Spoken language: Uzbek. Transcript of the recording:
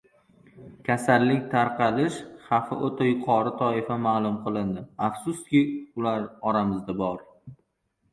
Kasallik tarqalish xavfi o‘ta yuqori toifa ma’lum qilindi. Afsuski, ular oramizda bor